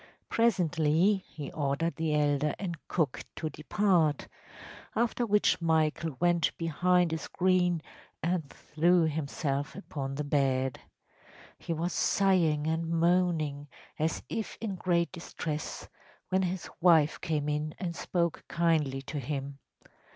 Presently he ordered the elder and cook to depart, after which Michael went behind a screen and threw himself upon the bed. He was sighing and moaning, as if in great distress, when his wife came in and spoke kindly to him.